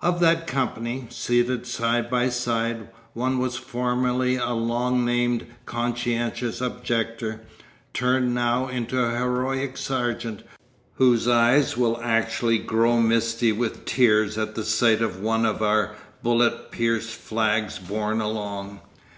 Of that company, seated side by side, one was formerly a long named conscientious objector, turned now into a heroic sergeant, whose eyes will actually grow misty with tears at the sight of one of our bullet pierced flags borne along.